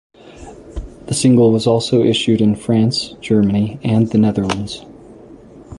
The single was also issued in France, Germany and the Netherlands.